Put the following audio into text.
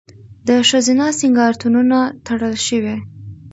د ښځینه سینګارتونونه تړل شوي؟